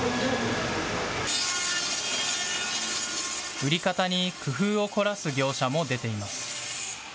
売り方に工夫を凝らす業者も出ています。